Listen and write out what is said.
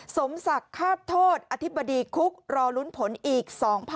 สมศักดิ์ฆาตโทษอธิบดีคุกรอลุ้นผลอีก